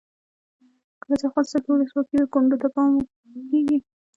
کله چې افغانستان کې ولسواکي وي کونډو ته پام کیږي.